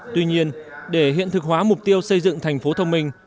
tuy nhiên để hiện thực hóa mục tiêu xây dựng thành phố thông minh